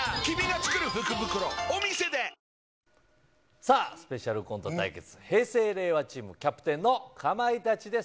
さあ、スペシャルコント対決、平成・令和チーム、キャプテンのかまいたちです。